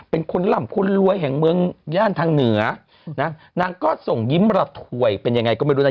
เป็นคนหล่ำคนรวยแห่งเมืองย่านทางเหนือนะนางก็ส่งยิ้มระถวยเป็นยังไงก็ไม่รู้นะ